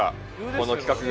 この企画が。